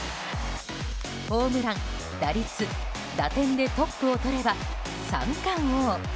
ホームラン・打率・打点でトップをとれば三冠王。